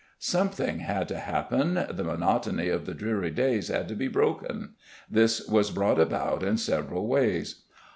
Something had to happen, the monotony of the dreary days had to be broken. This was brought about in several ways.